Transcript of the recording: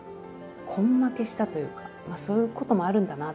根負けしたというかそういうこともあるんだなと思って。